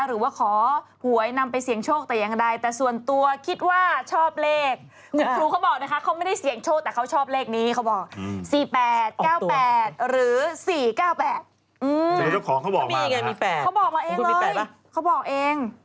หรือ๔๙๘เจ้าของเขาบอกแล้วนะครับค่ะคุณมี๘ป่ะเขาบอกเอง